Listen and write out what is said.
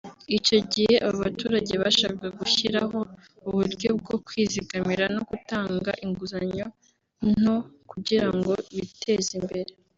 Icyo gihe aba baturage bashakaga gushyiraho uburyo bwo kwizigamira no gutanga inguzanyo nto kugira ngo biteze imbere